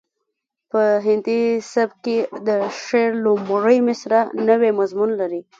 په هندي سبک کې د شعر لومړۍ مسره نوی مضمون لري